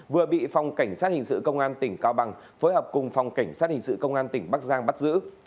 vừa bị phòng cảnh sát hình sự công an tỉnh cao bằng phối hợp cùng phòng cảnh sát hình sự công an tỉnh bắc giang bắt giữ